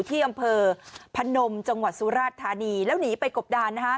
ที่อำเภอพนมจังหวัดสุราชธานีแล้วหนีไปกบดาน